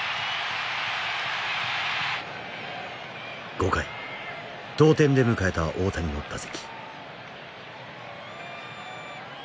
５回同点で迎えた大谷の打席。